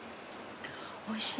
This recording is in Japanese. おいしい。